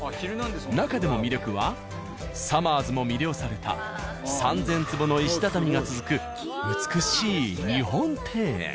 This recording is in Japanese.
なかでも魅力はさまぁずも魅了された３千坪の石畳が続く美しい日本庭園。